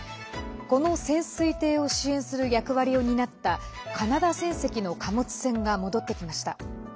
この潜水艇を支援する役割を担ったカナダ船籍の貨物船が戻ってきました。